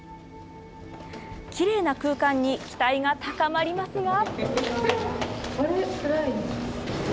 きれいな空間に期待が高まりますが。